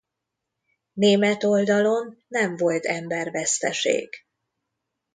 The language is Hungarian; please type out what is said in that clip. Német oldalon nem volt emberveszteség.